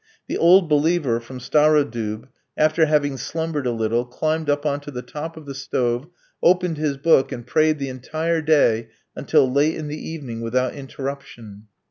The "old believer" from Starodoub, after having slumbered a little, climbed up on to the top of the stove, opened his book, and prayed the entire day until late in the evening without interruption.